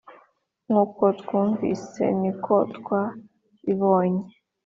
Nk’uko twumvise ni ko twabibonye